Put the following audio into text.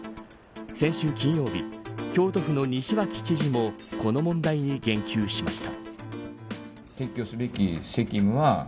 先週金曜日、京都府の西脇知事もこの問題に言及しました。